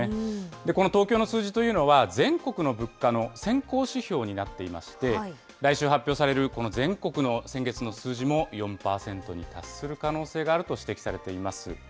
この東京の数字というのは、全国の物価の先行指標になっていまして、来週発表される全国の先月の数字も４％に達する可能性があると指摘されています。